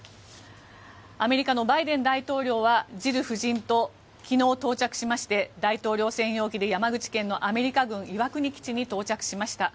アメリカのバイデン大統領はジル夫人と昨日、到着しまして大統領専用機で山口県のアメリカ軍岩国基地に到着しました。